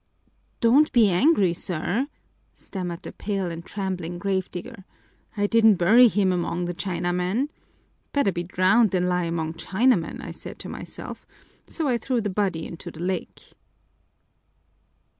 "Don't be angry, sir," stammered the pale and trembling grave digger. "I didn't bury him among the Chinamen. Better be drowned than lie among Chinamen, I said to myself, so I threw the body into the lake."